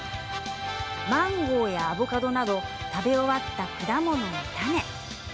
マンゴーやアボカドなど食べ終わった果物の種。